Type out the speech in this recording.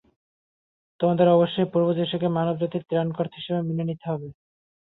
আমাদের অবশ্যই প্রভু যীশুকে মানবজাতির ত্রানকর্তা হিসেবে মেনে নিতে হবে।